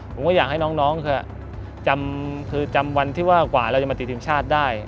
ผมก็อยากให้น้องจำคือจำวันที่ว่ากว่าเราจะมาติดทีมชาติได้